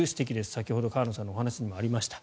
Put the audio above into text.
先ほど河野さんのお話にもありました。